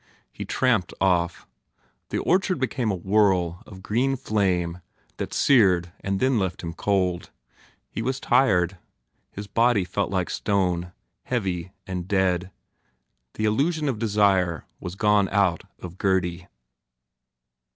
He tramped off. The orchard became a whirl of green flame that seared then left him cold. He was tired. His body felt like stone, heavy and dead. The illusion of desire was gone out of Gurdy.